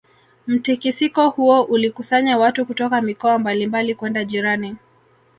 Mtikisiko huo ulikusanya watu kutoka mikoa mbali mbali kwenda jirani